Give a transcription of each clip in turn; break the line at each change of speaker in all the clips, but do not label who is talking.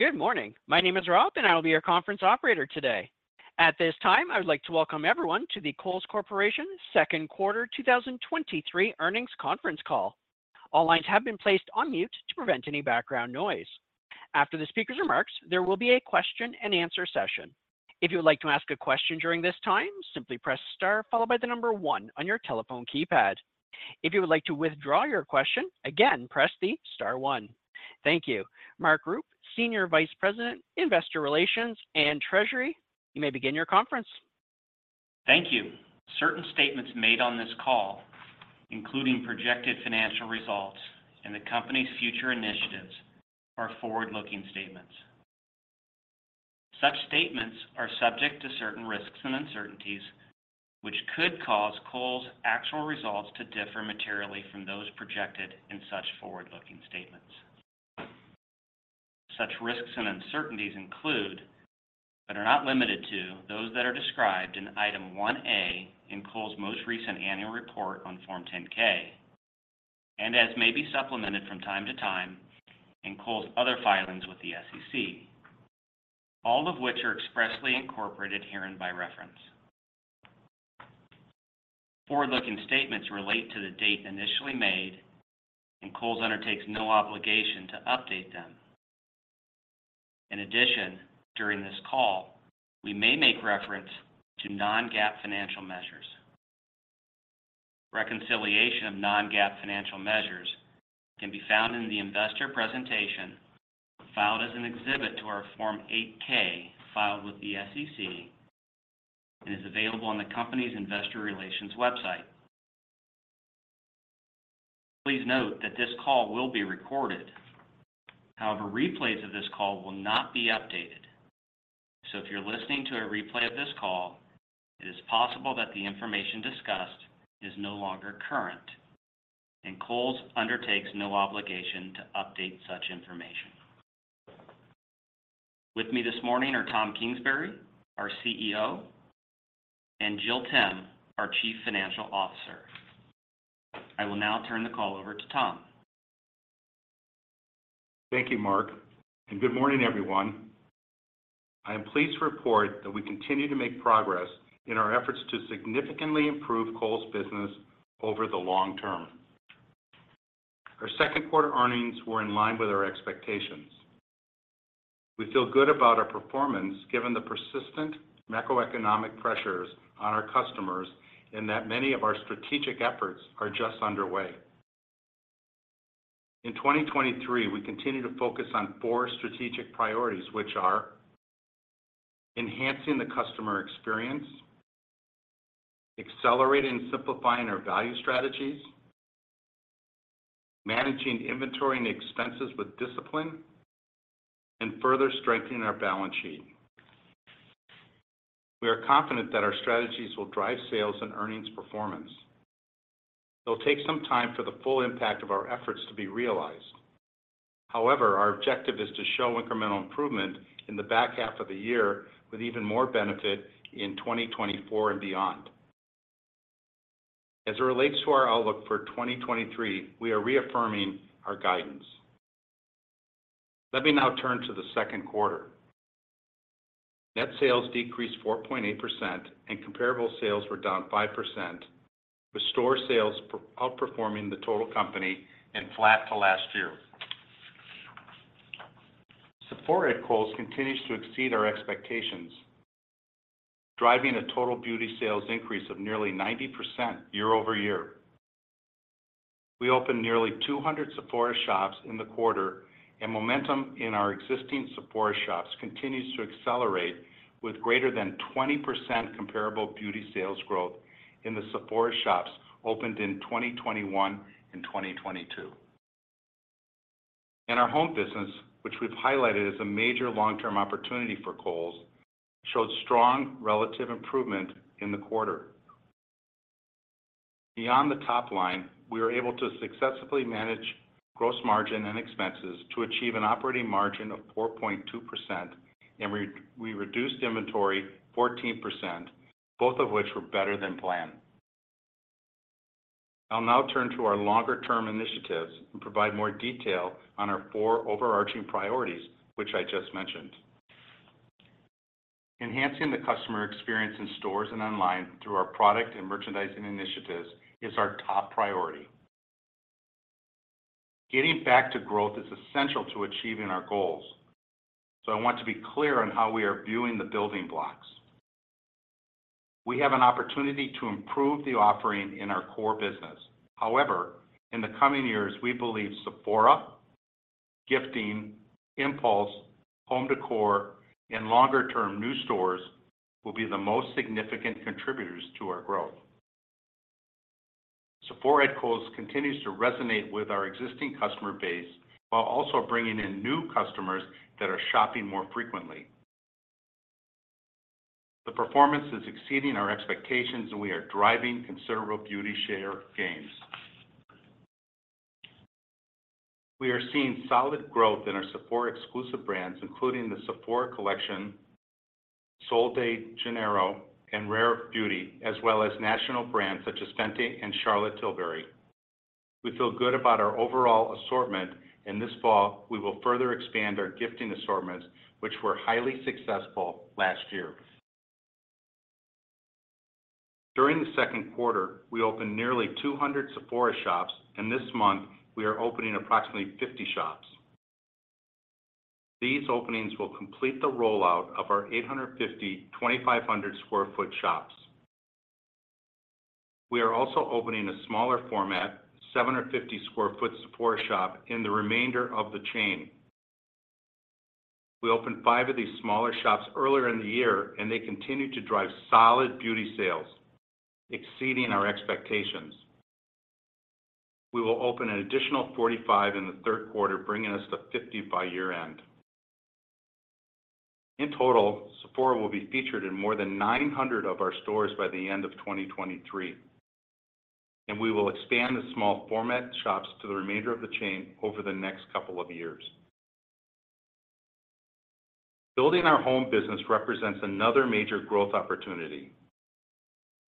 Good morning. My name is Rob, and I will be your conference operator today. At this time, I would like to welcome everyone to the Kohl's Corporation Second Quarter 2023 Earnings Conference Call. All lines have been placed on mute to prevent any background noise. After the speaker's remarks, there will be a question-and-answer session. If you would like to ask a question during this time, simply press star followed by the number 1 on your telephone keypad. If you would like to withdraw your question, again, press the star 1. Thank you. Mark Rupe; Senior Vice President, Investor Relations and Treasury, you may begin your conference.
Thank you. Certain statements made on this call, including projected financial results and the company's future initiatives, are forward-looking statements. Such statements are subject to certain risks and uncertainties, which could cause Kohl's actual results to differ materially from those projected in such forward-looking statements. Such risks and uncertainties include, but are not limited to, those that are described in Item 1A in Kohl's most recent annual report on Form 10-K, and as may be supplemented from time to time in Kohl's other filings with the SEC, all of which are expressly incorporated herein by reference. Forward-looking statements relate to the date initially made, and Kohl's undertakes no obligation to update them. In addition, during this call, we may make reference to non-GAAP financial measures. Reconciliation of non-GAAP financial measures can be found in the investor presentation, filed as an exhibit to our Form 8-K, filed with the SEC, and is available on the company's investor relations website. Please note that this call will be recorded. Replays of this call will not be updated, so if you're listening to a replay of this call, it is possible that the information discussed is no longer current, and Kohl's undertakes no obligation to update such information. With me this morning are Tom Kingsbury; our CEO, and Jill Timm; our Chief Financial Officer. I will now turn the call over to Tom.
Thank you, Mark, and good morning, everyone. I am pleased to report that we continue to make progress in our efforts to significantly improve Kohl's business over the long term. Our second quarter earnings were in line with our expectations. We feel good about our performance, given the persistent macroeconomic pressures on our customers and that many of our strategic efforts are just underway. In 2023, we continue to focus on four strategic priorities, which are: enhancing the customer experience, accelerating and simplifying our value strategies, managing inventory and expenses with discipline, and further strengthening our balance sheet. We are confident that our strategies will drive sales and earnings performance. It'll take some time for the full impact of our efforts to be realized. However, our objective is to show incremental improvement in the back half of the year, with even more benefit in 2024 and beyond. As it relates to our outlook for 2023, we are reaffirming our guidance. Let me now turn to the second quarter. Net sales decreased 4.8%, and comparable sales were down 5%, with store sales outperforming the total company and flat to last year. Sephora at Kohl's continues to exceed our expectations, driving a total beauty sales increase of nearly 90% year-over-year. We opened nearly 200 Sephora shops in the quarter, and momentum in our existing Sephora shops continues to accelerate, with greater than 20% comparable beauty sales growth in the Sephora shops opened in 2021 and 2022. In our home business, which we've highlighted as a major long-term opportunity for Kohl's, showed strong relative improvement in the quarter. Beyond the top line, we were able to successfully manage gross margin and expenses to achieve an operating margin of 4.2%. We reduced inventory 14%, both of which were better than planned. I'll now turn to our longer-term initiatives and provide more detail on our four overarching priorities, which I just mentioned. Enhancing the customer experience in stores and online through our product and merchandising initiatives is our top priority. Getting back to growth is essential to achieving our goals. I want to be clear on how we are viewing the building blocks. We have an opportunity to improve the offering in our core business. In the coming years, we believe Sephora, gifting, impulse, home decor, and longer-term new stores will be the most significant contributors to our growth. Sephora at Kohl's continues to resonate with our existing customer base while also bringing in new customers that are shopping more frequently. The performance is exceeding our expectations, and we are driving considerable beauty share gains. We are seeing solid growth in our Sephora exclusive brands, including the Sephora Collection, Sol de Janeiro, and Rare Beauty, as well as national brands such as Fenty and Charlotte Tilbury. We feel good about our overall assortment, and this fall, we will further expand our gifting assortments, which were highly successful last year. During the second quarter, we opened nearly 200 Sephora shops, and this month, we are opening approximately 50 shops. These openings will complete the rollout of our 850, 2,500 sq ft shops. We are also opening a smaller format, 750 sq ft Sephora shop in the remainder of the chain. We opened five of these smaller shops earlier in the year, and they continue to drive solid beauty sales, exceeding our expectations. We will open an additional 45 in the third quarter, bringing us to 50 by year-end. In total, Sephora will be featured in more than 900 of our stores by the end of 2023, and we will expand the small format shops to the remainder of the chain over the next couple of years. Building our home business represents another major growth opportunity.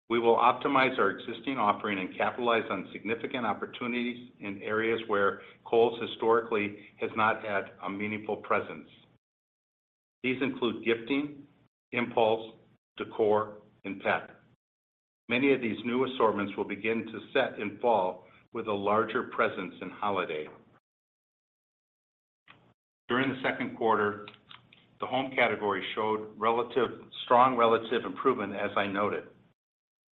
We will optimize our existing offering and capitalize on significant opportunities in areas where Kohl's historically has not had a meaningful presence. These include gifting, impulse, decor, and pet. Many of these new assortments will begin to set in fall with a larger presence in holiday. During the second quarter, the home category showed strong relative improvement, as I noted.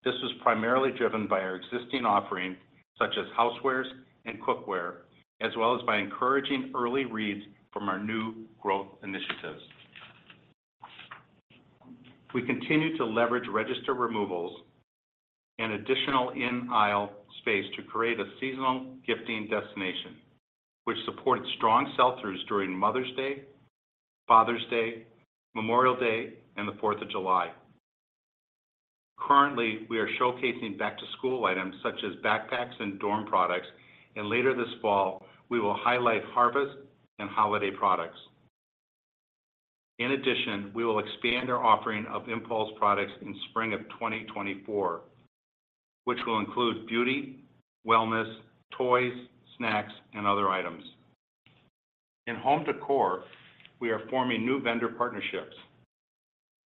This was primarily driven by our existing offerings, such as housewares and cookware, as well as by encouraging early reads from our new growth initiatives. We continue to leverage register removals and additional in-aisle space to create a seasonal gifting destination, which supported strong sell-throughs during Mother's Day, Father's Day, Memorial Day, and the 4th of July. Currently, we are showcasing back-to-school items such as backpacks and dorm products, and later this fall, we will highlight harvest and holiday products. In addition, we will expand our offering of impulse products in spring of 2024, which will include beauty, wellness, toys, snacks, and other items. In home decor, we are forming new vendor partnerships,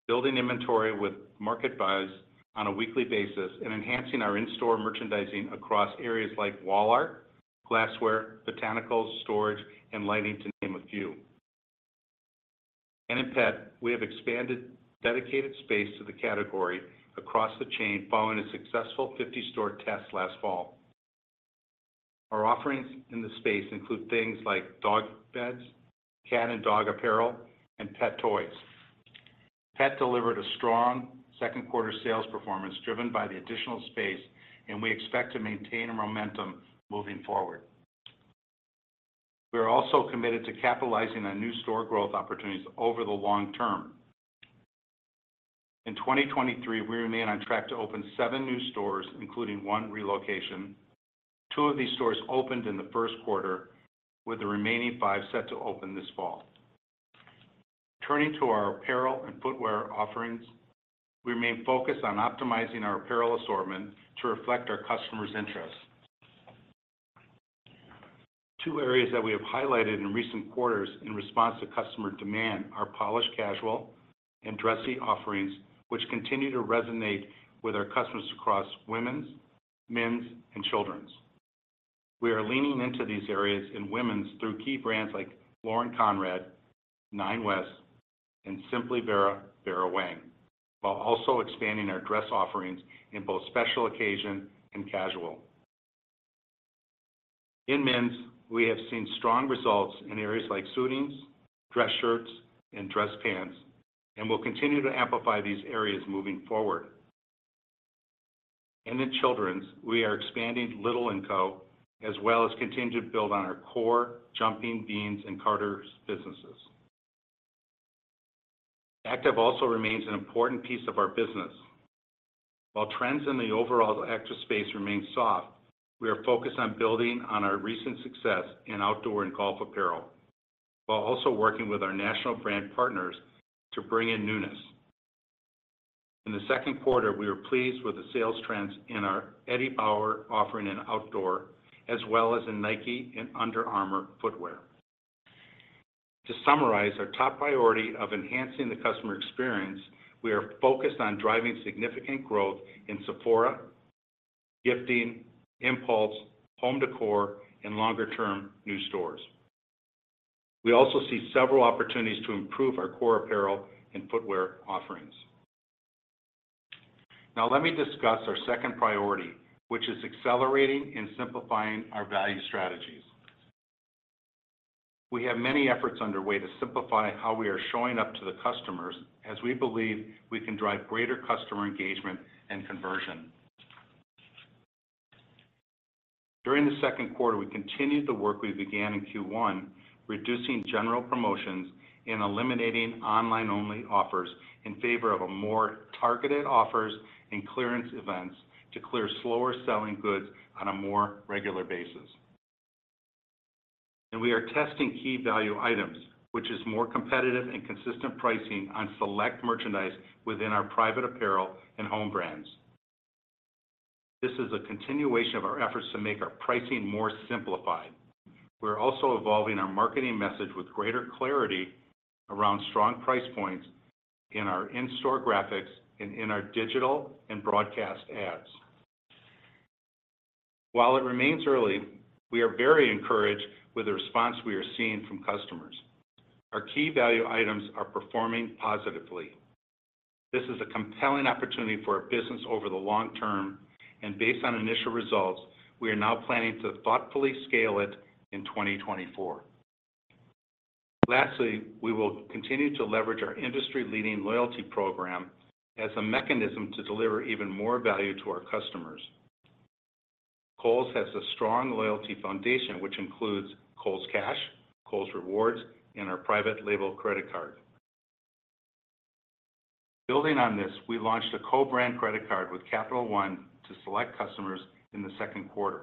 building inventory with market buys on a weekly basis and enhancing our in-store merchandising across areas like wall art, glassware, botanicals, storage, and lighting, to name a few. In pet, we have expanded dedicated space to the category across the chain, following a successful 50-store test last fall. Our offerings in this space include things like dog beds, cat and dog apparel, and pet toys. Pet delivered a strong second quarter sales performance, driven by the additional space, and we expect to maintain a momentum moving forward. We are also committed to capitalizing on new store growth opportunities over the long term. In 2023, we remain on track to open seven new stores, including one relocation. Two of these stores opened in the first quarter, with the remaining five set to open this fall. Turning to our apparel and footwear offerings, we remain focused on optimizing our apparel assortment to reflect our customers' interests. Two areas that we have highlighted in recent quarters in response to customer demand are polished casual and dressy offerings, which continue to resonate with our customers across women's, men's, and children's. We are leaning into these areas in women's through key brands like Lauren Conrad, Nine West, and Simply Vera, Vera Wang, while also expanding our dress offerings in both special occasion and casual. In men's, we have seen strong results in areas like suitings, dress shirts, and dress pants, and we'll continue to amplify these areas moving forward. In children's, we are expanding Little & Co., as well as continuing to build on our core Jumping Beans and Carter's businesses. Active also remains an important piece of our business. While trends in the overall active space remain soft, we are focused on building on our recent success in outdoor and golf apparel, while also working with our national brand partners to bring in newness. In the second quarter, we were pleased with the sales trends in our Eddie Bauer offering in outdoor, as well as in Nike and Under Armour footwear. To summarize our top priority of enhancing the customer experience, we are focused on driving significant growth in Sephora, gifting, impulse, home decor, and longer-term new stores. We also see several opportunities to improve our core apparel and footwear offerings. Now, let me discuss our second priority, which is accelerating and simplifying our value strategies. We have many efforts underway to simplify how we are showing up to the customers, as we believe we can drive greater customer engagement and conversion. During the second quarter, we continued the work we began in Q1, reducing general promotions and eliminating online-only offers in favor of a more targeted offers and clearance events to clear slower-selling goods on a more regular basis. We are testing key value items, which is more competitive and consistent pricing on select merchandise within our private apparel and home brands. This is a continuation of our efforts to make our pricing more simplified. We are also evolving our marketing message with greater clarity around strong price points in our in-store graphics and in our digital and broadcast ads. While it remains early, we are very encouraged with the response we are seeing from customers. Our key value items are performing positively. This is a compelling opportunity for our business over the long term. Based on initial results, we are now planning to thoughtfully scale it in 2024. Lastly, we will continue to leverage our industry-leading loyalty program as a mechanism to deliver even more value to our customers. Kohl's has a strong loyalty foundation, which includes Kohl's Cash, Kohl's Rewards, and our private label credit card. Building on this, we launched a co-brand credit card with Capital One to select customers in the second quarter.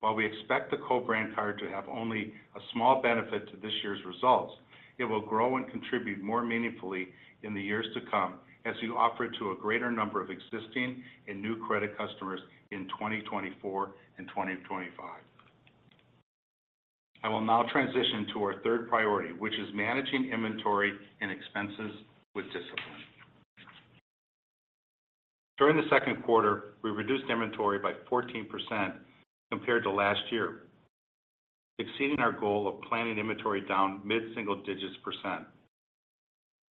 While we expect the co-brand card to have only a small benefit to this year's results, it will grow and contribute more meaningfully in the years to come as we offer it to a greater number of existing and new credit customers in 2024 and 2025. I will now transition to our third priority, which is managing inventory and expenses with discipline. During the second quarter, we reduced inventory by 14% compared to last year, exceeding our goal of planning inventory down mid-single digits %.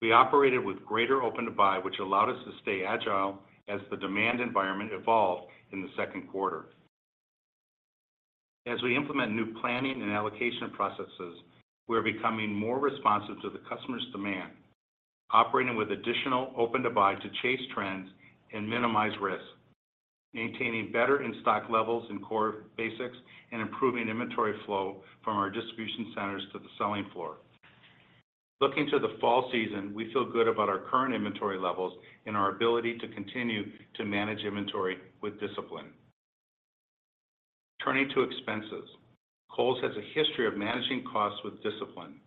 We operated with greater open-to-buy, which allowed us to stay agile as the demand environment evolved in the second quarter. As we implement new planning and allocation processes, we are becoming more responsive to the customer's demand, operating with additional open-to-buy to chase trends and minimize risk, maintaining better in-stock levels in core basics, and improving inventory flow from our distribution centers to the selling floor. Looking to the fall season, we feel good about our current inventory levels and our ability to continue to manage inventory with discipline. Turning to expenses, Kohl's has a history of managing costs with discipline.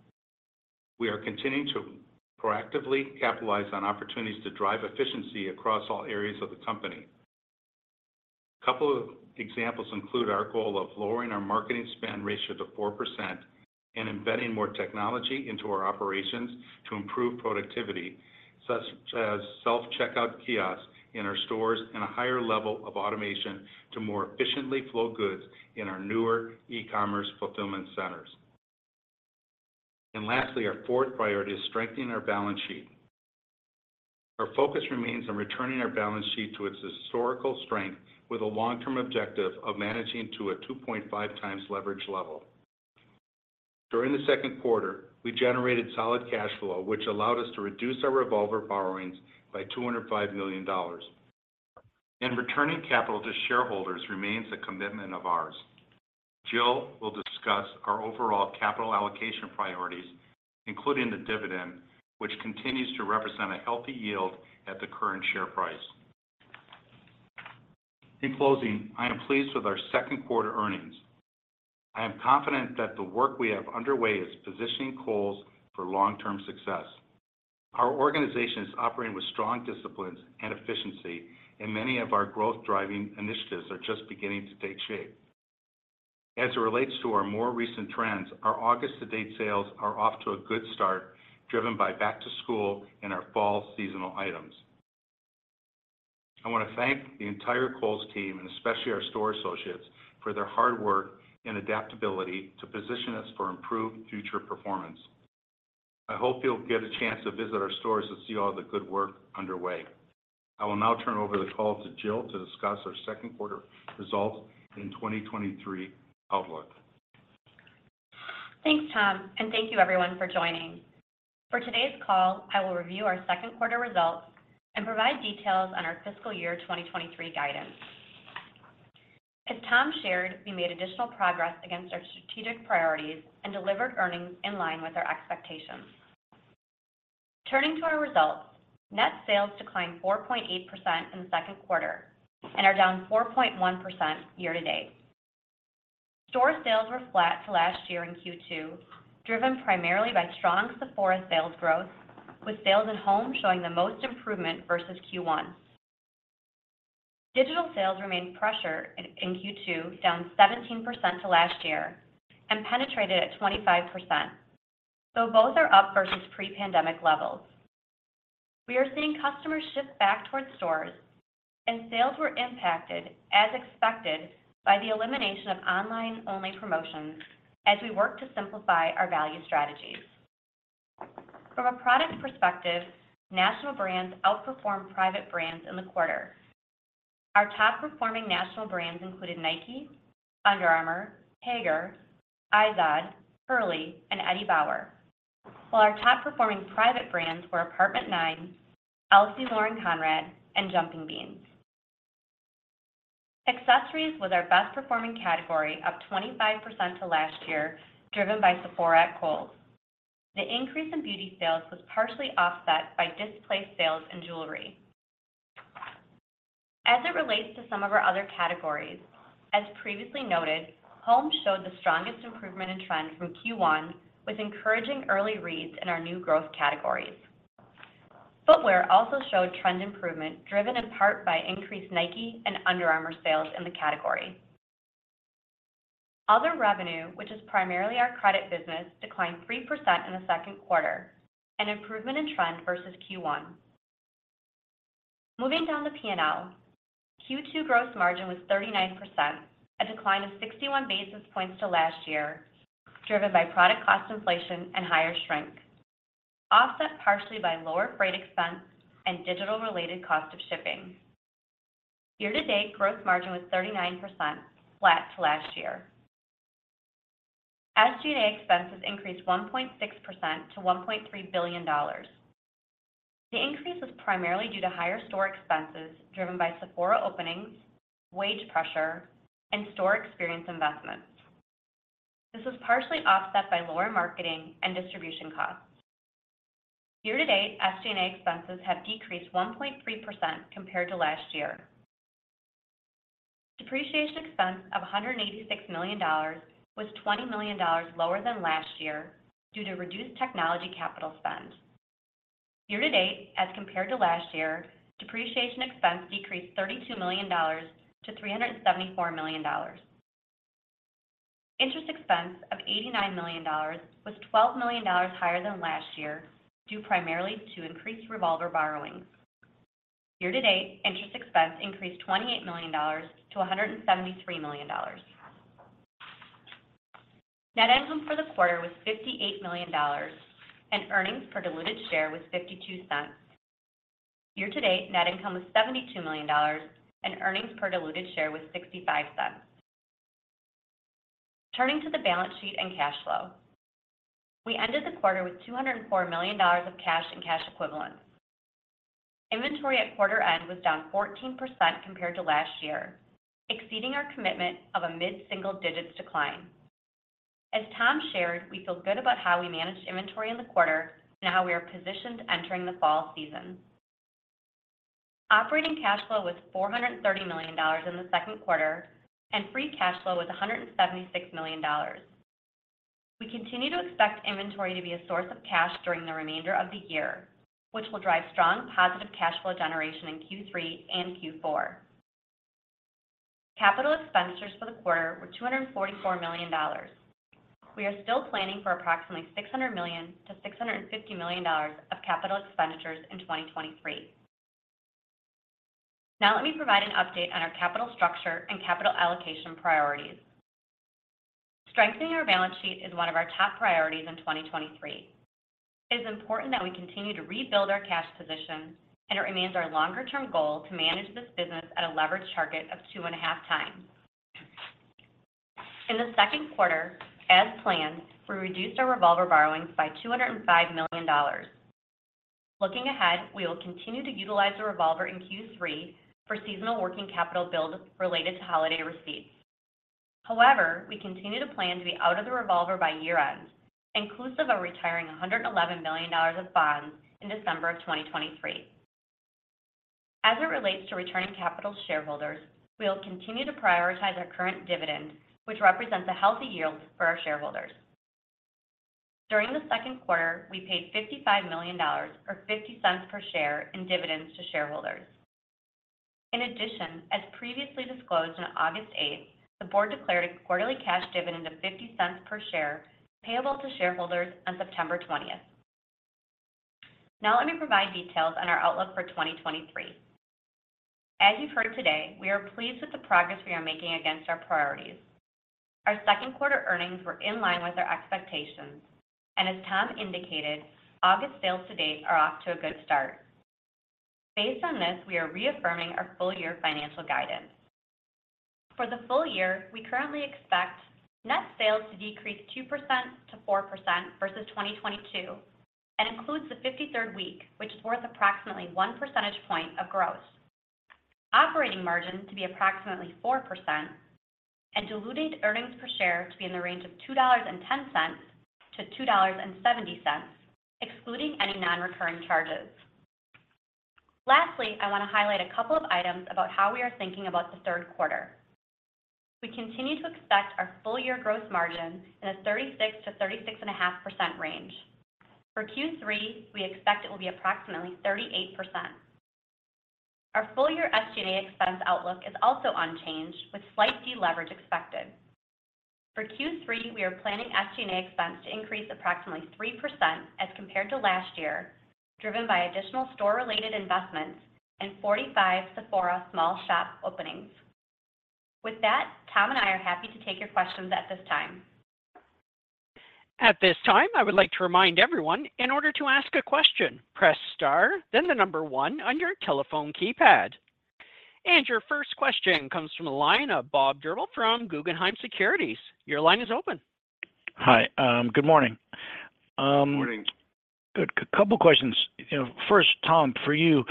We are continuing to proactively capitalize on opportunities to drive efficiency across all areas of the company. A couple of examples include our goal of lowering our marketing spend ratio to 4% and embedding more technology into our operations to improve productivity, such as self-checkout kiosks in our stores and a higher level of automation to more efficiently flow goods in our newer e-commerce fulfillment centers. Lastly, our fourth priority is strengthening our balance sheet. Our focus remains on returning our balance sheet to its historical strength with a long-term objective of managing to a 2.5x leverage level. During the second quarter, we generated solid cash flow, which allowed us to reduce our revolver borrowings by $205 million. Returning capital to shareholders remains a commitment of ours. Jill will discuss our overall capital allocation priorities, including the dividend, which continues to represent a healthy yield at the current share price. In closing, I am pleased with our second quarter earnings. I am confident that the work we have underway is positioning Kohl's for long-term success. Our organization is operating with strong disciplines and efficiency, and many of our growth-driving initiatives are just beginning to take shape. As it relates to our more recent trends, our August-to-date sales are off to a good start, driven by back-to-school and our fall seasonal items. I want to thank the entire Kohl's team, and especially our store associates, for their hard work and adaptability to position us for improved future performance. I hope you'll get a chance to visit our stores to see all the good work underway. I will now turn over the call to Jill to discuss our second quarter results and 2023 outlook.
Thanks, Tom, and thank you everyone for joining. For today's call, I will review our second quarter results and provide details on our fiscal year 2023 guidance. As Tom shared, we made additional progress against our strategic priorities and delivered earnings in line with our expectations. Turning to our results, net sales declined 4.8% in the second quarter and are down 4.1% year-to-date. Store sales were flat to last year in Q2, driven primarily by strong Sephora sales growth, with sales at home showing the most improvement versus Q1. Digital sales remained pressure in Q2, down 17% to last year and penetrated at 25%, though both are up versus pre-pandemic levels. We are seeing customers shift back towards stores, and sales were impacted, as expected, by the elimination of online-only promotions as we work to simplify our value strategies. From a product perspective, national brands outperformed private brands in the quarter. Our top-performing national brands included Nike, Under Armour, Haggar, Izod, Hurley, and Eddie Bauer. While our top-performing private brands were Apt. 9, LC Lauren Conrad, and Jumping Beans. Accessories was our best performing category, up 25% to last year, driven by Sephora at Kohl's. The increase in beauty sales was partially offset by displaced sales in jewelry. As it relates to some of our other categories, as previously noted, Home showed the strongest improvement in trend from Q1, with encouraging early reads in our new growth categories. Footwear also showed trend improvement, driven in part by increased Nike and Under Armour sales in the category. Other revenue, which is primarily our credit business, declined 3% in the second quarter, an improvement in trend versus Q1. Moving down the P&L, Q2 gross margin was 39%, a decline of 61 basis points to last year, driven by product cost inflation and higher shrink, offset partially by lower freight expense and digital-related cost of shipping. Year to date, gross margin was 39%, flat to last year. SG&A expenses increased 1.6% to $1.3 billion. The increase was primarily due to higher store expenses, driven by Sephora openings, wage pressure, and store experience investments. This was partially offset by lower marketing and distribution costs. Year to date, SG&A expenses have decreased 1.3% compared to last year. Depreciation expense of $186 million was $20 million lower than last year due to reduced technology capital spend. Year to date, as compared to last year, depreciation expense decreased $32 million to $374 million. Interest expense of $89 million was $12 million higher than last year, due primarily to increased revolver borrowings. Year to date, interest expense increased $28 million to $173 million. Net income for the quarter was $58 million, and earnings per diluted share was $0.52. Year to date, net income was $72 million, and earnings per diluted share was $0.65. Turning to the balance sheet and cash flow. We ended the quarter with $204 million of cash and cash equivalents. Inventory at quarter end was down 14% compared to last year, exceeding our commitment of a mid-single digits decline. As Tom shared, we feel good about how we managed inventory in the quarter and how we are positioned entering the fall season. operating cash flow was $430 million in the second quarter, and free cash flow was $176 million. We continue to expect inventory to be a source of cash during the remainder of the year, which will drive strong positive cash flow generation in Q3 and Q4. capital expenditures for the quarter were $244 million. We are still planning for approximately $600 million-$650 million of capital expenditures in 2023. Now, let me provide an update on our capital structure and capital allocation priorities. Strengthening our balance sheet is one of our top priorities in 2023. It is important that we continue to rebuild our cash position, and it remains our longer-term goal to manage this business at a leverage target of 2.5x. In the second quarter, as planned, we reduced our revolver borrowings by $205 million. Looking ahead, we will continue to utilize the revolver in Q3 for seasonal working capital build related to holiday receipts. However, we continue to plan to be out of the revolver by year-end, inclusive of retiring $111 million of bonds in December of 2023. As it relates to returning capital to shareholders, we will continue to prioritize our current dividend, which represents a healthy yield for our shareholders. During the second quarter, we paid $55 million, or $0.50 per share, in dividends to shareholders. In addition, as previously disclosed on August 8th, the board declared a quarterly cash dividend of $0.50 per share, payable to shareholders on September 20th. Now, let me provide details on our outlook for 2023. As you've heard today, we are pleased with the progress we are making against our priorities. Our second quarter earnings were in line with our expectations, and as Tom indicated, August sales to date are off to a good start. Based on this, we are reaffirming our full-year financial guidance. For the full year, we currently expect net sales to decrease 2%-4% versus 2022 and includes the fifty-third week, which is worth approximately one percentage point of growth. Operating margin to be approximately 4% and diluted earnings per share to be in the range of $2.10-$2.70, excluding any non-recurring charges. Lastly, I want to highlight a couple of items about how we are thinking about the third quarter. We continue to expect our full-year gross margin in a 36%-36.5% range. For Q3, we expect it will be approximately 38%. Our full-year SG&A expense outlook is also unchanged, with slight deleverage expected. For Q3, we are planning SG&A expense to increase approximately 3% as compared to last year, driven by additional store-related investments and 45 Sephora small shop openings. With that, Tom and I are happy to take your questions at this time.
At this time, I would like to remind everyone, in order to ask a question, press star, then the 1 on your telephone keypad. Your first question comes from the line of Bob Drbul from Guggenheim Securities. Your line is open.
Hi. Good morning.
Good morning.
Good. A couple questions. You know, first, Tom, for you,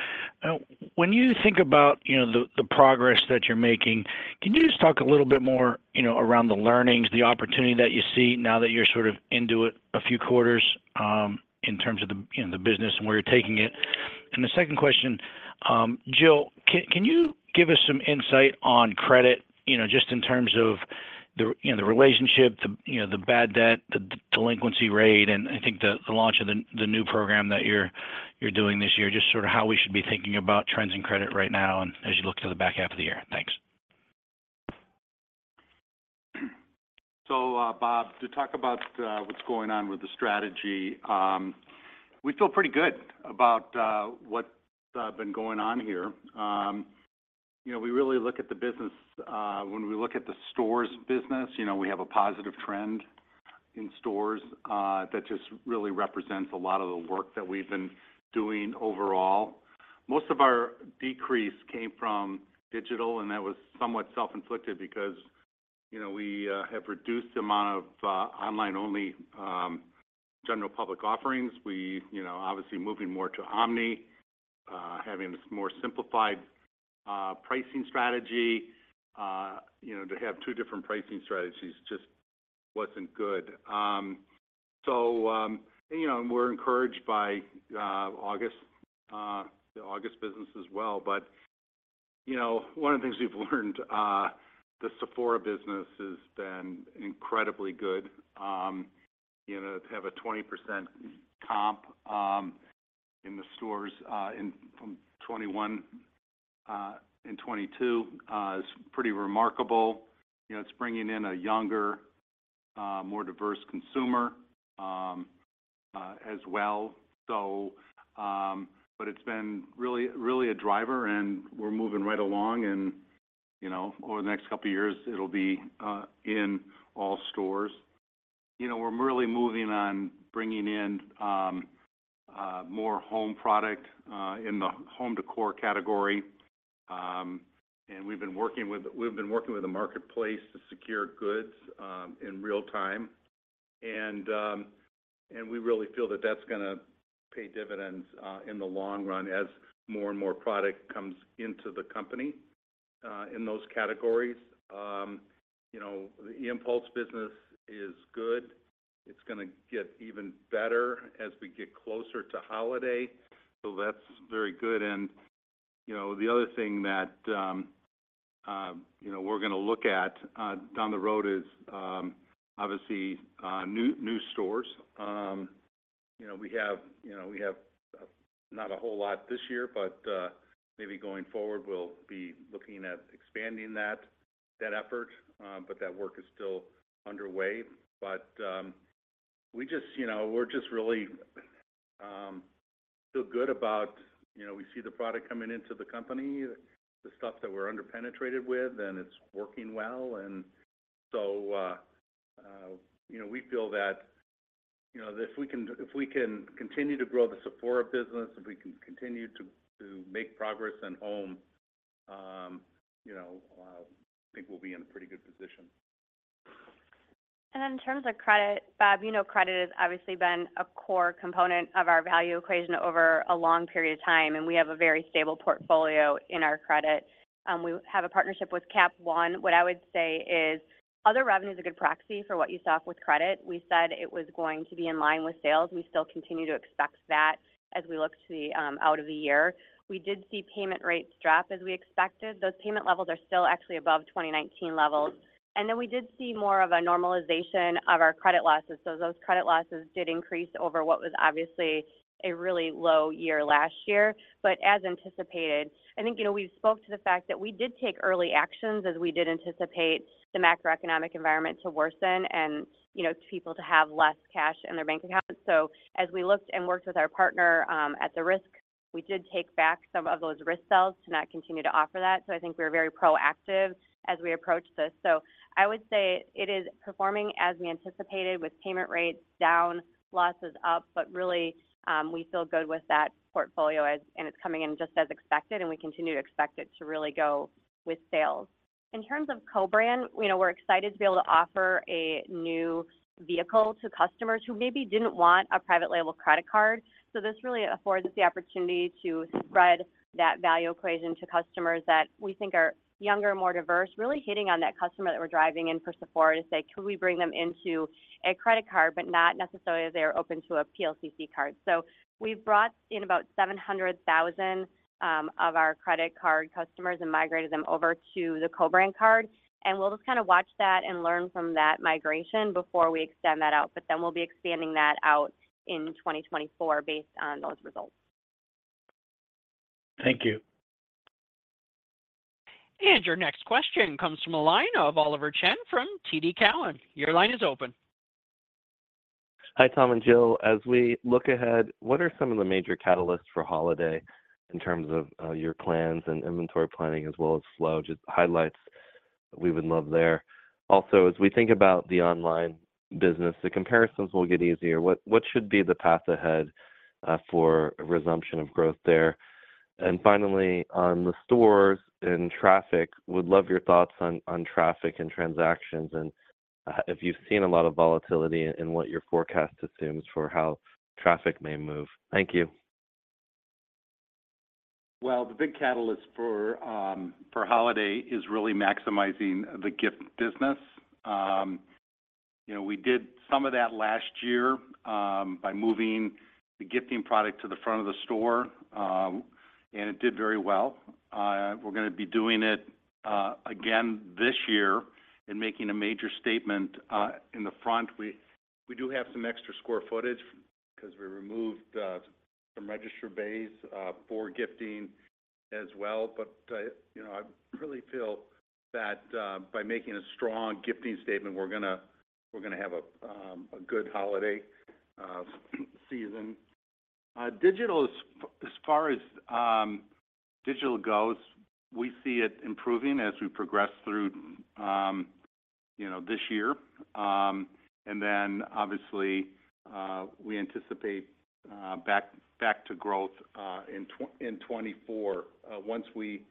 when you think about, you know, the, the progress that you're making, can you just talk a little bit more, you know, around the learnings, the opportunity that you see now that you're sort of into it a few quarters, in terms of the, you know, the business and where you're taking it? The second question, Jill, can, can you give us some insight on credit, you know, just in terms of the, you know, the relationship, the, you know, the bad debt, the delinquency rate. I think the, the launch of the, the new program that you're, you're doing this year, just sort of how we should be thinking about trends in credit right now and as you look to the back half of the year. Thanks.
Bob, to talk about what's going on with the strategy, we feel pretty good about what's been going on here. You know, we really look at the business, when we look at the stores business, you know, we have a positive trend in stores, that just really represents a lot of the work that we've been doing overall. Most of our decrease came from digital, and that was somewhat self-inflicted because, you know, we have reduced the amount of online-only general public offerings. We, you know, obviously moving more to omni, having this more simplified pricing strategy. You know, to have two different pricing strategies just wasn't good. You know, we're encouraged by August, the August business as well. You know, one of the things we've learned, the Sephora business has been incredibly good. You know, to have a 20% comp in the stores in from 2021 and 2022 is pretty remarkable. You know, it's bringing in a younger, more diverse consumer as well. It's been really, really a driver, and we're moving right along, and, you know, over the next couple of years, it'll be in all stores. You know, we're really moving on, bringing in more home product in the home decor category. We've been working with-- we've been working with the marketplace to secure goods in real time. We really feel that that's gonna pay dividends in the long run as more and more product comes into the company in those categories. You know, the impulse business is good. It's gonna get even better as we get closer to holiday, so that's very good. You know, the other thing that, you know, we're gonna look at down the road is obviously new, new stores. You know, we have, you know, we have not a whole lot this year, but maybe going forward, we'll be looking at expanding that, that effort, but that work is still underway. We just, you know, we're just really feel good about... You know, we see the product coming into the company, the stuff that we're underpenetrated with, and it's working well. You know, we feel that, you know, if we can, if we can continue to grow the Sephora business, if we can continue to, to make progress in home, you know, I think we'll be in a pretty good position.
In terms of credit, Bob, you know, credit has obviously been a core component of our value equation over a long period of time, and we have a very stable portfolio in our credit. We have a partnership with Capital One. What I would say is, other revenue is a good proxy for what you saw with credit. We said it was going to be in line with sales. We still continue to expect that as we look to the out of the year. We did see payment rates drop as we expected. Those payment levels are still actually above 2019 levels. We did see more of a normalization of our credit losses. Those credit losses did increase over what was obviously a really low year last year. As anticipated, I think, you know, we've spoke to the fact that we did take early actions as we did anticipate the macroeconomic environment to worsen and, you know, to people to have less cash in their bank accounts. As we looked and worked with our partner at the risk, we did take back some of those risk sales to not continue to offer that. I think we're very proactive as we approach this. I would say it is performing as we anticipated, with payment rates down, losses up. Really, and it's coming in just as expected, and we continue to expect it to really go with sales. In terms of co-brand, you know, we're excited to be able to offer a new vehicle to customers who maybe didn't want a private label credit card. This really affords the opportunity to spread that value equation to customers that we think are younger and more diverse, really hitting on that customer that we're driving in for Sephora to say, "Can we bring them into a credit card?" Not necessarily they're open to a PLCC card. We've brought in about 700,000 of our credit card customers and migrated them over to the co-brand card, and we'll just kinda watch that and learn from that migration before we extend that out. Then we'll be expanding that out in 2024 based on those results.
Thank you.
Your next question comes from the line of Oliver Chen from TD Cowen. Your line is open.
Hi, Tom and Jill. As we look ahead, what are some of the major catalysts for holiday in terms of your plans and inventory planning, as well as flow? Just highlights we would love there. Also, as we think about the online business, the comparisons will get easier. What should be the path ahead for a resumption of growth there? Finally, on the stores and traffic, would love your thoughts on traffic and transactions, and if you've seen a lot of volatility in what your forecast assumes for how traffic may move. Thank you.
Well, the big catalyst for for holiday is really maximizing the gift business. You know, we did some of that last year by moving the gifting product to the front of the store, and it did very well. We're gonna be doing it again this year and making a major statement in the front. We do have some extra square footage because we removed some register bays for gifting as well. You know, I really feel that by making a strong gifting statement, we're gonna have a good holiday season. Digital, as, as far as digital goes, we see it improving as we progress through, you know, this year. Then, obviously, we anticipate back, back to growth in 2024, once we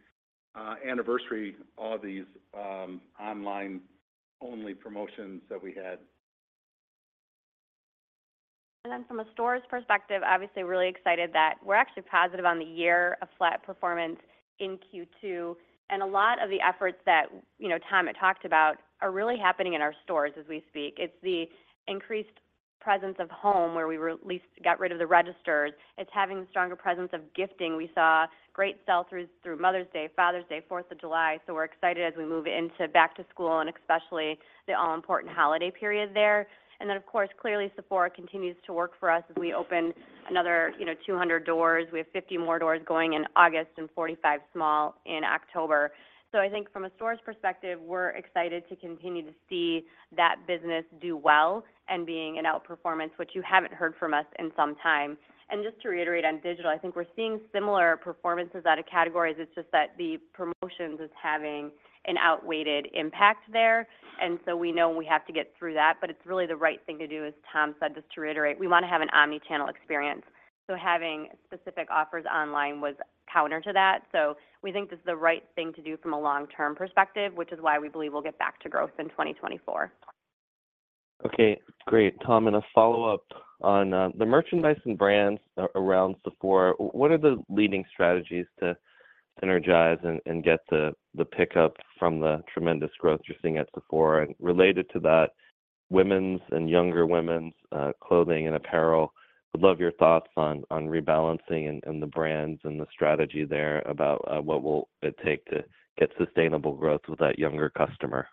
anniversary all these online-only promotions that we had.
Then from a stores perspective, obviously, really excited that we're actually positive on the year of flat performance in Q2. A lot of the efforts that, you know, Tom had talked about, are really happening in our stores as we speak. It's the increased presence of home, where we re- at least got rid of the registers. It's having a stronger presence of gifting. We saw great sell-throughs through Mother's Day, Father's Day, Fourth of July, so we're excited as we move into back to school and especially the all-important holiday period there. Then, of course, clearly, Sephora continues to work for us as we open another, you know, 200 doors. We have 50 more doors going in August and 45 small in October. I think from a stores perspective, we're excited to continue to see that business do well and being an outperformance, which you haven't heard from us in some time. Just to reiterate on digital, I think we're seeing similar performances out of categories. It's just that the promotions is having an outweighted impact there, and so we know we have to get through that. It's really the right thing to do, as Tom said, just to reiterate, we want to have an omni-channel experience. Having specific offers online was counter to that, so we think this is the right thing to do from a long-term perspective, which is why we believe we'll get back to growth in 2024.
Okay, great! Tom, a follow-up on the merchandise and brands around Sephora. What are the leading strategies to energize and get the pickup from the tremendous growth you're seeing at Sephora? Related to that, women's and younger women's clothing and apparel, would love your thoughts on rebalancing and the brands, and the strategy there about what will it take to get sustainable growth with that younger customer?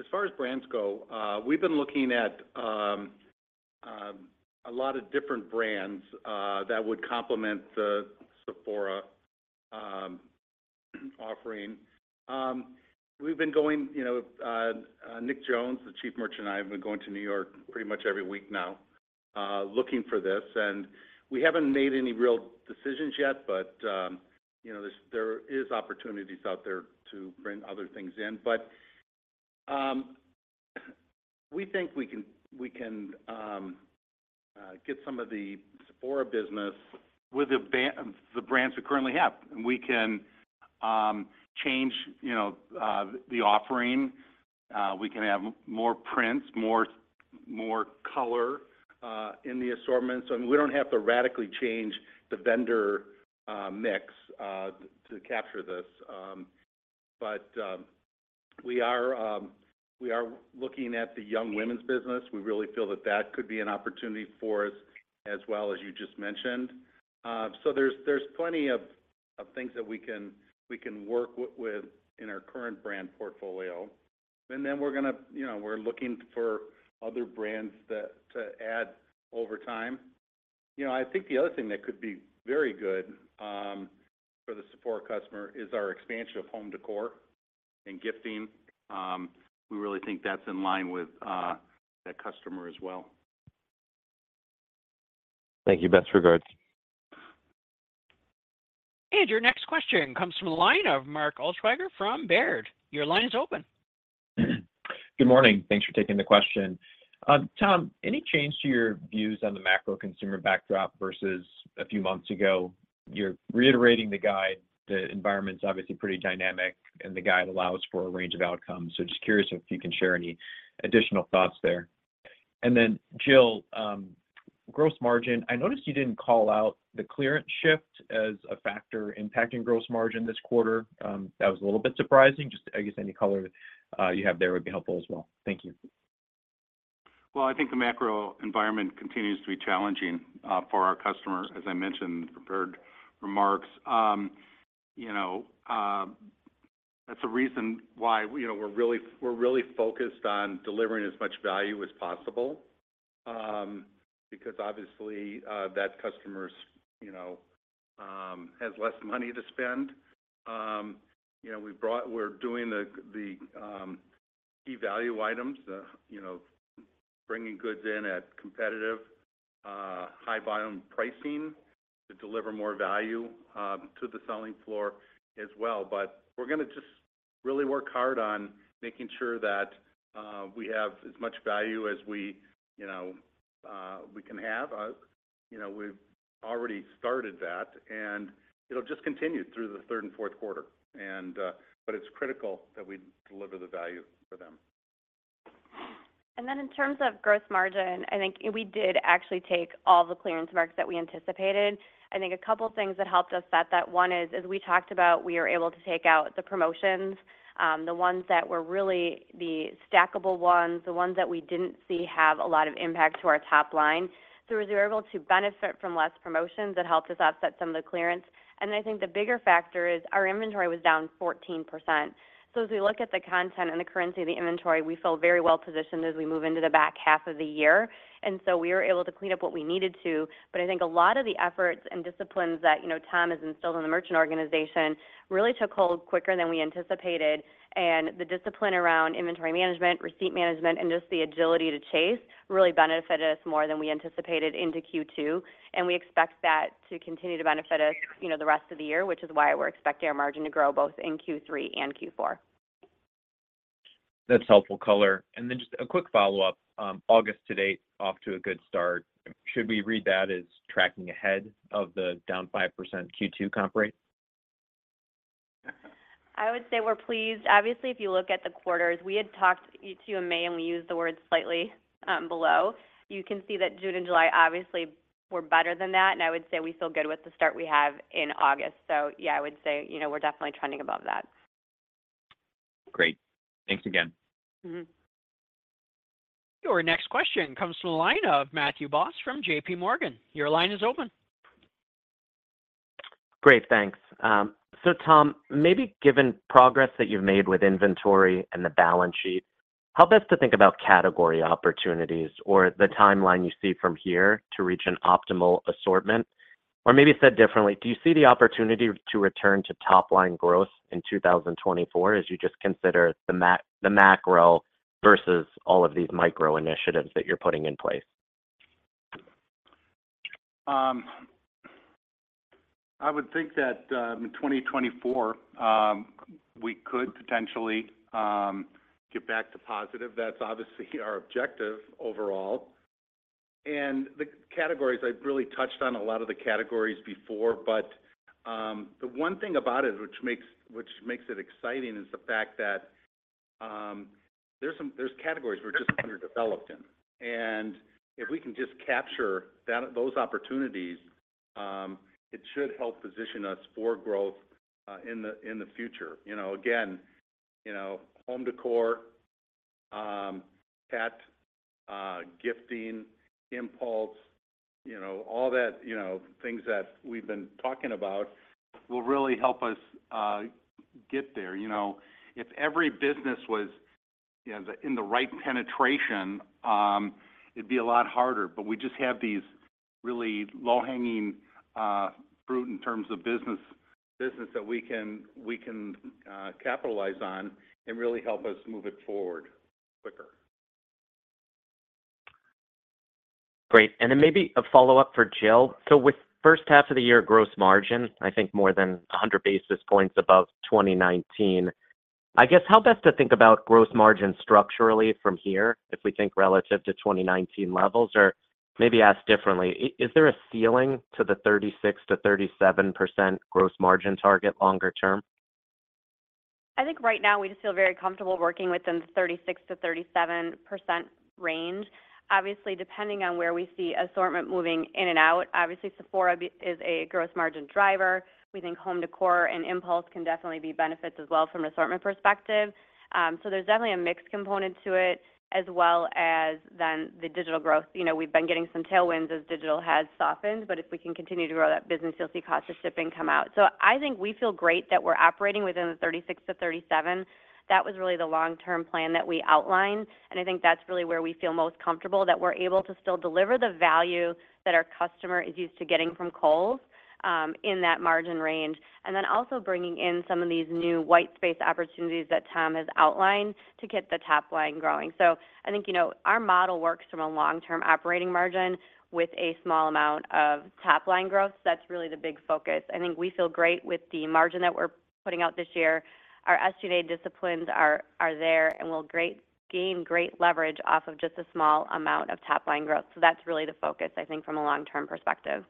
As far as brands go, we've been looking at a lot of different brands that would complement the Sephora offering. We've been going... You know, Nick Jones, the Chief Merchant, and I have been going to New York pretty much every week now, looking for this. We haven't made any real decisions yet, you know, there's, there is opportunities out there to bring other things in. We think we can, we can, get some of the Sephora business with the brands we currently have, and we can, change, you know, the offering. We can have more prints, more, more color in the assortments. I mean, we don't have to radically change the vendor mix to capture this. We are looking at the young women's business. We really feel that that could be an opportunity for us, as well, as you just mentioned. There's plenty of things that we can work with, with in our current brand portfolio. You know, we're looking for other brands that, to add over time. You know, I think the other thing that could be very good for the Sephora customer is our expansion of home decor and gifting. We really think that's in line with that customer as well.
Thank you. Best regards.
Your next question comes from the line of Mark Marcon from Baird. Your line is open.
Good morning. Thanks for taking the question. Tom, any change to your views on the macro consumer backdrop versus a few months ago? You're reiterating the guide. The environment's obviously pretty dynamic, and the guide allows for a range of outcomes. Just curious if you can share any additional thoughts there. Then, Jill, gross margin, I noticed you didn't call out the clearance shift as a factor impacting gross margin this Q2. That was a little bit surprising. Just, I guess, any color you have there would be helpful as well. Thank you.
Well, I think the macro environment continues to be challenging for our customers, as I mentioned in the prepared remarks. You know, that's a reason why, you know, we're really, we're really focused on delivering as much value as possible because obviously, that customers, you know, has less money to spend. You know, we're doing the, the key value items, you know, bringing goods in at competitive high-volume pricing, to deliver more value to the selling floor as well. We're gonna just really work hard on making sure that we have as much value as we, you know, we can have. You know, we've already started that, it'll just continue through the third and fourth quarter. It's critical that we deliver the value for them.
In terms of gross margin, I think we did actually take all the clearance marks that we anticipated. I think a couple of things that helped us set that, one is, as we talked about, we are able to take out the promotions, the ones that were really the stackable ones, the ones that we didn't see have a lot of impact to our top line. As we were able to benefit from less promotions, that helped us offset some of the clearance. I think the bigger factor is our inventory was down 14%. As we look at the content and the currency of the inventory, we feel very well positioned as we move into the back half of the year. We were able to clean up what we needed to. I think a lot of the efforts and disciplines that, you know, Tom has instilled in the merchant organization really took hold quicker than we anticipated, and the discipline around inventory management, receipt management, and just the agility to chase, really benefited us more than we anticipated into Q2. We expect that to continue to benefit us, you know, the rest of the year, which is why we're expecting our margin to grow both in Q3 and Q4.
That's helpful color. Then just a quick follow-up, August to date, off to a good start. Should we read that as tracking ahead of the down 5% Q2 comp rate?
I would say we're pleased. Obviously, if you look at the quarters, we had talked to you in May, and we used the word slightly, below. You can see that June and July, obviously, were better than that, and I would say we feel good with the start we have in August. Yeah, I would say, you know, we're definitely trending above that.
Great. Thanks again.
Mm-hmm.
Your next question comes from the line of Matthew Boss from JP Morgan. Your line is open.
Great, thanks. Tom, maybe given progress that you've made with inventory and the balance sheet, how best to think about category opportunities or the timeline you see from here to reach an optimal assortment? Or maybe said differently, do you see the opportunity to return to top line growth in 2024, as you just consider the macro versus all of these micro initiatives that you're putting in place?
I would think that, in 2024, we could potentially get back to positive. That's obviously our objective overall. The categories, I really touched on a lot of the categories before, but the one thing about it, which makes, which makes it exciting, is the fact that, there's categories we're just underdeveloped in. If we can just capture that, those opportunities, it should help position us for growth in the future. You know, again, you know, home decor, pet, gifting, impulse, you know, all that, you know, things that we've been talking about will really help us get there. You know, if every business was in the, in the right penetration, it'd be a lot harder. We just have these really low-hanging fruit in terms of business, business that we can, we can capitalize on and really help us move it forward quicker.
Great. Then maybe a follow-up for Jill. With first half of the year gross margin, I think more than 100 basis points above 2019, I guess, how best to think about gross margin structurally from here, if we think relative to 2019 levels, or maybe asked differently, is there a ceiling to the 36%-37% gross margin target longer term?
I think right now we just feel very comfortable working within the 36%-37% range. Obviously, depending on where we see assortment moving in and out. Obviously, Sephora is a gross margin driver. We think home decor and impulse can definitely be benefits as well from an assortment perspective. There's definitely a mixed component to it, as well as then the digital growth. You know, we've been getting some tailwinds as digital has softened, if we can continue to grow that business, you'll see cost of shipping come out. I think we feel great that we're operating within the 36%-37%. That was really the long-term plan that we outlined, and I think that's really where we feel most comfortable, that we're able to still deliver the value that our customer is used to getting from Kohl's in that margin range, and then also bringing in some of these new white space opportunities that Tom has outlined to get the top line growing. I think, you know, our model works from a long-term operating margin with a small amount of top line growth. That's really the big focus. I think we feel great with the margin that we're putting out this year. Our SG&A disciplines are there, and we'll gain great leverage off of just a small amount of top line growth. That's really the focus, I think, from a long-term perspective.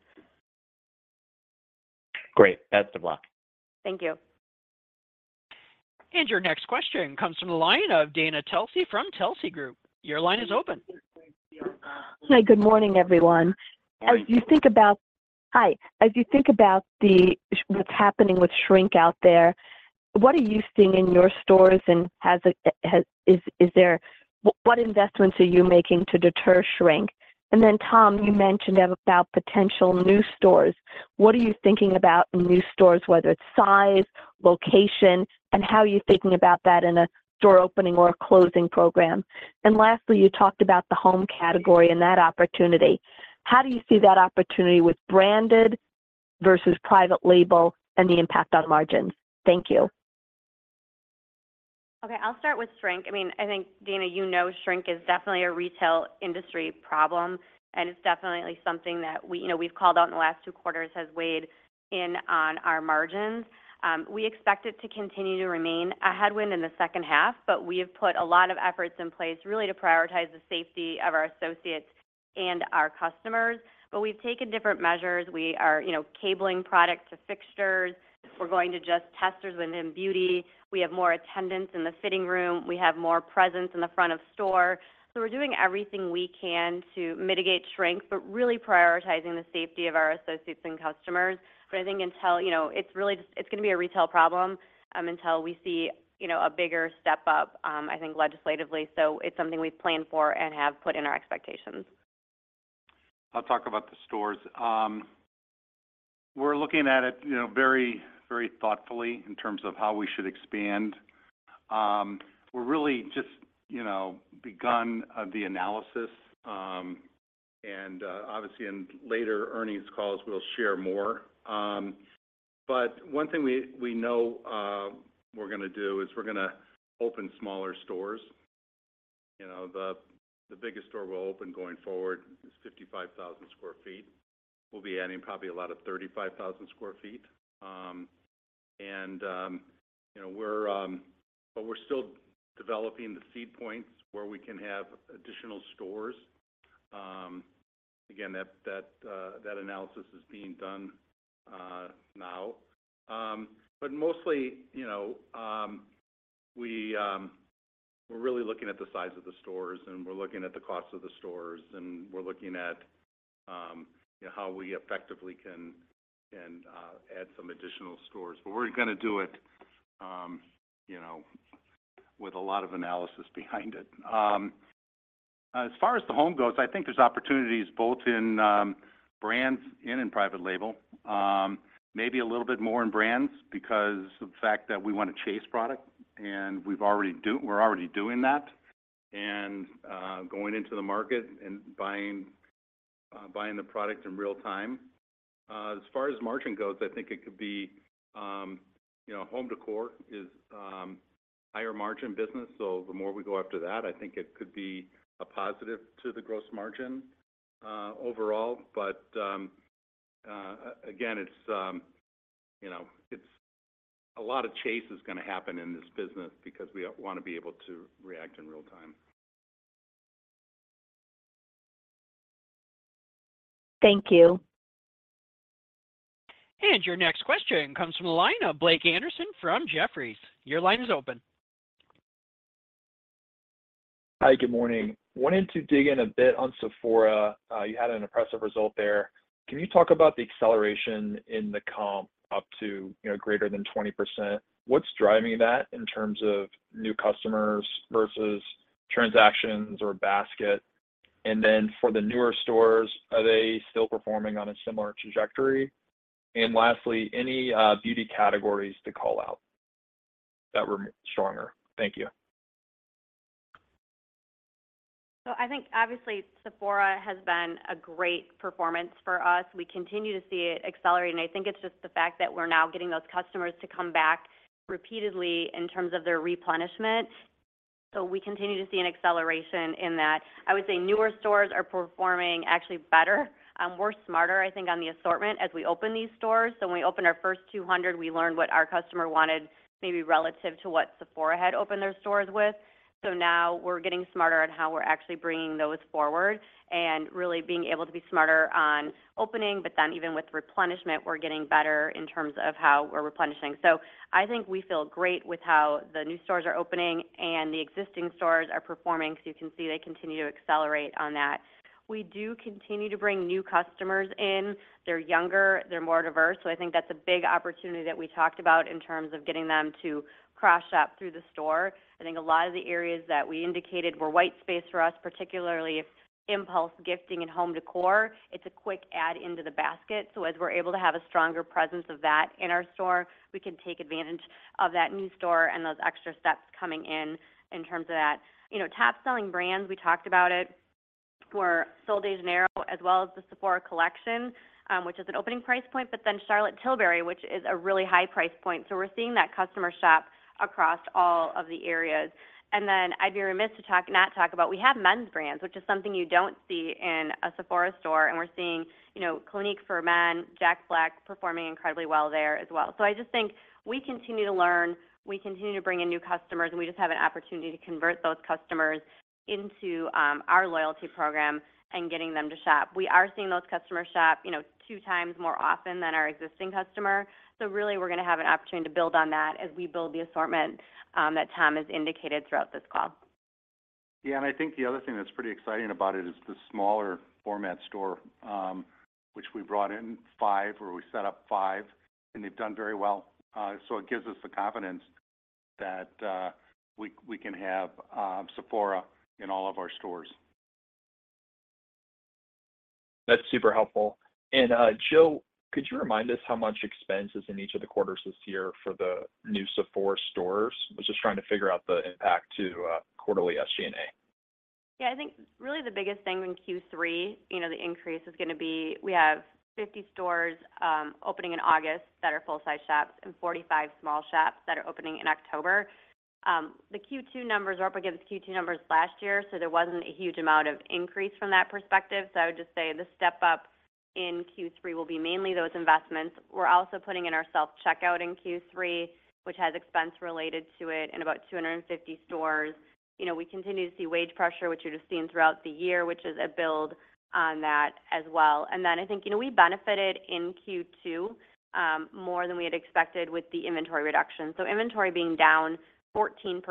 Great. Best of luck.
Thank you.
Your next question comes from the line of Dana Telsey from Telsey Group. Your line is open.
Hi, good morning, everyone.
Hi.
As you think about the, what's happening with shrink out there, what are you seeing in your stores, and what investments are you making to deter shrink? Then, Tom, you mentioned about potential new stores. What are you thinking about in new stores, whether it's size, location, and how are you thinking about that in a store opening or closing program? Lastly, you talked about the home category and that opportunity. How do you see that opportunity with branded versus private label and the impact on margins? Thank you.
Okay, I'll start with shrink. I mean, I think, Dana, you know, shrink is definitely a retail industry problem. It's definitely something that we, you know, we've called out in the last two quarters, has weighed in on our margins. We expect it to continue to remain a headwind in the second half. We have put a lot of efforts in place, really to prioritize the safety of our associates and our customers. We've taken different measures. We are, you know, cabling product to fixtures. We're going to just testers within beauty. We have more attendants in the fitting room. We have more presence in the front of store. We're doing everything we can to mitigate shrink, but really prioritizing the safety of our associates and customers. I think until, you know, it's really just it's gonna be a retail problem, until we see, you know, a bigger step up, I think legislatively. It's something we've planned for and have put in our expectations.
I'll talk about the stores. We're looking at it, you know, very, very thoughtfully in terms of how we should expand. We're really just, you know, begun, the analysis, and, obviously in later earnings calls, we'll share more. One thing we, we know, we're gonna do is we're gonna open smaller stores. You know, the, the biggest store we'll open going forward is 55,000 sq ft. We'll be adding probably a lot of 35,000 sq ft. You know, we're still developing the seed points where we can have additional stores. Again, that, that, that analysis is being done, now. Mostly, you know, we, we're really looking at the size of the stores, and we're looking at the cost of the stores, and we're looking at, how we effectively can, can, add some additional stores, but we're gonna do it, you know, with a lot of analysis behind it. As far as the home goes, I think there's opportunities both in, brands and in private label. Maybe a little bit more in brands because of the fact that we want to chase product, and we've already do-- we're already doing that, and, going into the market and buying, buying the product in real time. As far as margin goes, I think it could be, you know, home decor is higher margin business, so the more we go after that, I think it could be a positive to the gross margin overall. Again, it's, you know, it's a lot of chase is gonna happen in this business because we wanna be able to react in real time.
Thank you.
Your next question comes from the line of Blake Anderson from Jefferies. Your line is open.
Hi, good morning. Wanted to dig in a bit on Sephora. You had an impressive result there. Can you talk about the acceleration in the comp up to, you know, greater than 20%? What's driving that in terms of new customers versus transactions or basket? Then for the newer stores, are they still performing on a similar trajectory? Lastly, any beauty categories to call out that were stronger? Thank you.
I think obviously Sephora has been a great performance for us. We continue to see it accelerating. I think it's just the fact that we're now getting those customers to come back repeatedly in terms of their replenishment. We continue to see an acceleration in that. I would say newer stores are performing actually better. We're smarter, I think, on the assortment as we open these stores. When we opened our first 200, we learned what our customer wanted, maybe relative to what Sephora had opened their stores with. Now we're getting smarter on how we're actually bringing those forward and really being able to be smarter on opening, but then even with replenishment, we're getting better in terms of how we're replenishing. I think we feel great with how the new stores are opening and the existing stores are performing. You can see they continue to accelerate on that. We do continue to bring new customers in. They're younger, they're more diverse, so I think that's a big opportunity that we talked about in terms of getting them to cross shop through the store. I think a lot of the areas that we indicated were white space for us, particularly impulse, gifting, and home decor. It's a quick add into the basket, so as we're able to have a stronger presence of that in our store, we can take advantage of that new store and those extra steps coming in, in terms of that. You know, top-selling brands, we talked about it, were Sol de Janeiro, as well as the Sephora Collection, which is an opening price point, but then Charlotte Tilbury, which is a really high price point. We're seeing that customer shop across all of the areas. Then I'd be remiss not talk about, we have men's brands, which is something you don't see in a Sephora store, and we're seeing, you know, Clinique For Men, Jack Black, performing incredibly well there as well. I just think we continue to learn, we continue to bring in new customers, and we just have an opportunity to convert those customers into our loyalty program and getting them to shop. We are seeing those customers shop, you know, 2x more often than our existing customer. Really, we're gonna have an opportunity to build on that as we build the assortment that Tom has indicated throughout this call.
Yeah, and I think the other thing that's pretty exciting about it is the smaller format store, which we brought in five, or we set up five, and they've done very well. It gives us the confidence that we, we can have Sephora in all of our stores.
That's super helpful. Jill, could you remind us how much expense is in each of the quarters this year for the new Sephora stores? I was just trying to figure out the impact to quarterly SG&A.
Yeah, I think really the biggest thing in Q3, you know, the increase is gonna be. We have 50 stores, opening in August that are full-size shops, and 45 small shops that are opening in October. The Q2 numbers are up against Q2 numbers last year, so there wasn't a huge amount of increase from that perspective. I would just say the step up in Q3 will be mainly those investments. We're also putting in our self-checkout in Q3, which has expense related to it in about 250 stores. You know, we continue to see wage pressure, which you've just seen throughout the year, which is a build on that as well. Then I think, you know, we benefited in Q2, more than we had expected with the inventory reduction. Inventory being down 14%,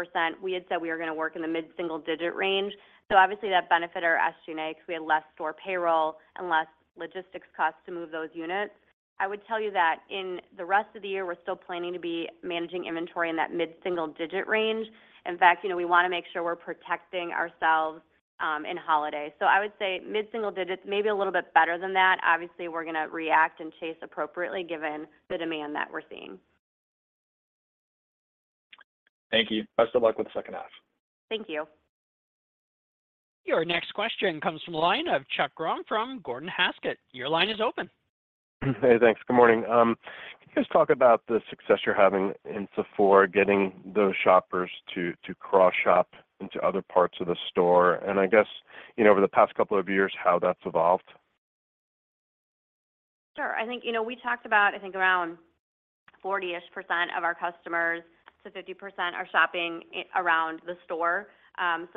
we had said we were gonna work in the mid-single digit range, so obviously that benefited our SG&A, because we had less store payroll and less logistics costs to move those units. I would tell you that in the rest of the year, we're still planning to be managing inventory in that mid-single digit range. In fact, you know, we wanna make sure we're protecting ourselves in holiday. I would say mid-single digits, maybe a little bit better than that. Obviously, we're gonna react and chase appropriately given the demand that we're seeing.
Thank you. Best of luck with the second half.
Thank you.
Your next question comes from the line of Chuck Grom from Gordon Haskett. Your line is open.
Hey, thanks. Good morning. Can you just talk about the success you're having in Sephora, getting those shoppers to, to cross-shop into other parts of the store, and I guess, you know, over the past couple of years, how that's evolved?
Sure. I think, you know, we talked about, I think, around 40% of our customers to 50% are shopping around the store.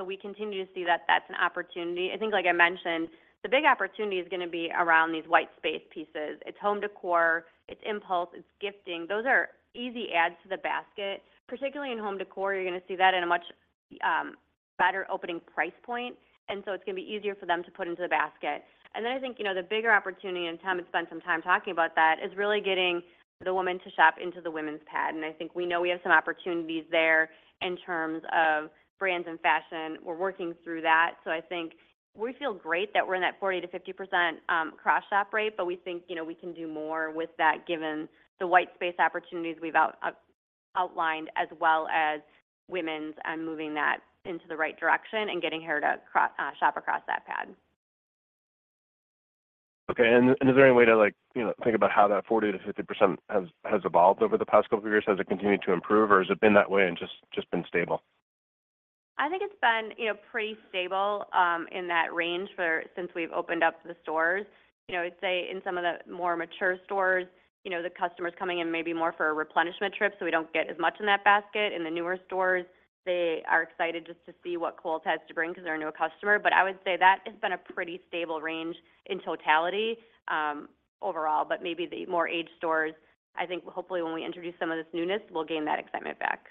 We continue to see that that's an opportunity. I think like I mentioned, the big opportunity is gonna be around these white space pieces. It's home decor, it's impulse, it's gifting. Those are easy adds to the basket, particularly in home decor, you're gonna see that in a much better opening price point, so it's gonna be easier for them to put into the basket. Then I think, you know, the bigger opportunity, Tom has spent some time talking about that, is really getting the woman to shop into the women's pad. I think we know we have some opportunities there in terms of brands and fashion. We're working through that. I think we feel great that we're in that 40%-50%, cross-shop rate, but we think, you know, we can do more with that, given the white space opportunities we've outlined, as well as women's and moving that into the right direction and getting her to cross, shop across that pad.
Okay. Is there any way to, like, you know, think about how that 40%-50% has, has evolved over the past two years? Has it continued to improve, or has it been that way and just, just been stable?
I think it's been, you know, pretty stable in that range for... since we've opened up the stores. You know, I'd say in some of the more mature stores, you know, the customer is coming in maybe more for a replenishment trip, so we don't get as much in that basket. In the newer stores, they are excited just to see what Kohl's has to bring because they're a new customer. I would say that has been a pretty stable range in totality, overall, but maybe the more aged stores, I think, hopefully, when we introduce some of this newness, we'll gain that excitement back.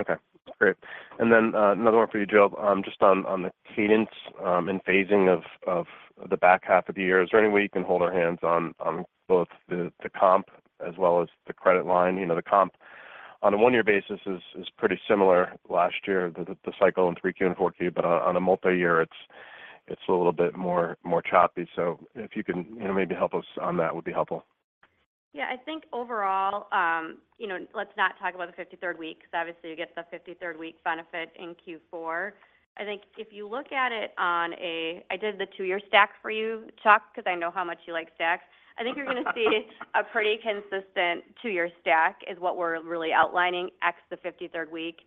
Okay, great. Another one for you, Jill. Just on, on the cadence, and phasing of, of the back half of the year, is there any way you can hold our hands on, on both the, the comp as well as the credit line? You know, the comp on a one-year basis is, is pretty similar last year, the, the cycle in 3Q and 4Q, on, on a multi-year, it's, it's a little bit more choppy. If you can, you know, maybe help us on that would be helpful.
Yeah, I think overall, you know, let's not talk about the 53rd week, because obviously you get the 53rd week benefit in Q4. I think if you look at it on a... I did the two-year stack for you, Chuck, because I know how much you like stacks. I think you're gonna see a pretty consistent two-year stack, is what we're really outlining, ex the 53rd week.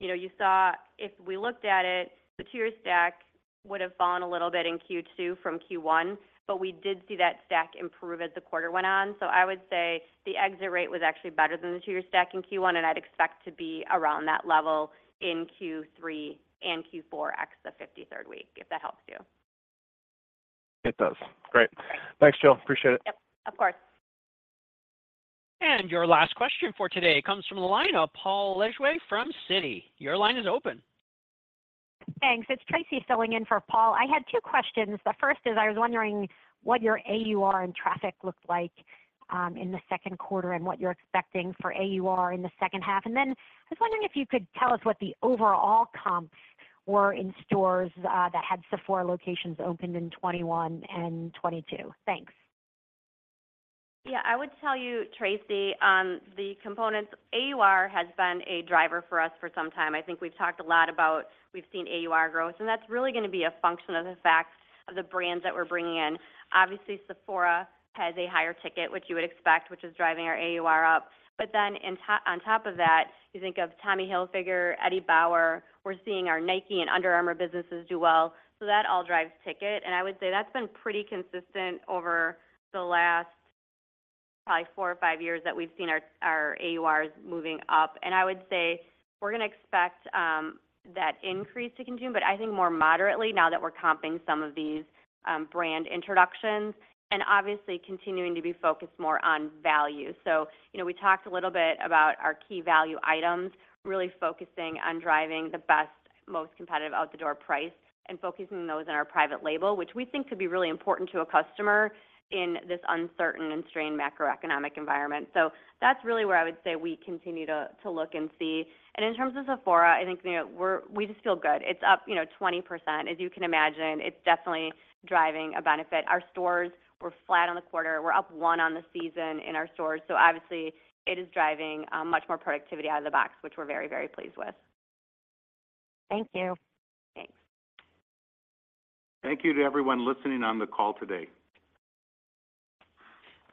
You know, you saw if we looked at it, the two-year stack would have fallen a little bit in Q2 from Q1, but we did see that stack improve as the quarter went on. I would say the exit rate was actually better than the two-year stack in Q1, and I'd expect to be around that level in Q3 and Q4, ex the 53rd week, if that helps you.
It does. Great. Thanks, Jill. Appreciate it.
Yep. Of course.
Your last question for today comes from the line of Paul Lejuez from Citi. Your line is open.
Thanks. It's Tracy filling in for Paul. I had two questions. The first is, I was wondering what your AUR and traffic looked like in the second quarter, and what you're expecting for AUR in the second half. I was wondering if you could tell us what the overall comps were in stores that had Sephora locations opened in 2021 and 2022. Thanks.
Yeah, I would tell you, Tracy, the components, AUR has been a driver for us for some time. I think we've talked a lot about, we've seen AUR growth. That's really gonna be a function of the fact of the brands that we're bringing in. Obviously, Sephora has a higher ticket, which you would expect, which is driving our AUR up. Then on top of that, you think of Tommy Hilfiger, Eddie Bauer, we're seeing our Nike and Under Armour businesses do well. That all drives ticket, and I would say that's been pretty consistent over the last probably four or five years that we've seen our, our AURs moving up. I would say we're gonna expect that increase to continue, but I think more moderately now that we're comping some of these brand introductions and obviously continuing to be focused more on value. You know, we talked a little bit about our key value items, really focusing on driving the best, most competitive out-the-door price and focusing those in our private label, which we think could be really important to a customer in this uncertain and strained macroeconomic environment. That's really where I would say we continue to, to look and see. In terms of Sephora, I think, you know, we just feel good. It's up, you know, 20%. As you can imagine, it's definitely driving a benefit. Our stores were flat on the quarter. We're up one on the season in our stores, so obviously it is driving, much more productivity out of the box, which we're very, very pleased with.
Thank you.
Thanks.
Thank you to everyone listening on the call today.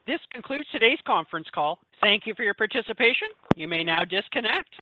This concludes today's conference call. Thank you for your participation. You may now disconnect.